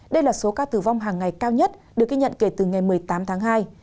đây là số ca tử vong hàng ngày cao nhất được ghi nhận kể từ ngày một mươi tám tháng hai